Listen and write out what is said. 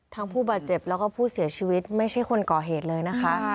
ผู้บาดเจ็บแล้วก็ผู้เสียชีวิตไม่ใช่คนก่อเหตุเลยนะคะ